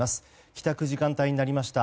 帰宅時間帯になりました。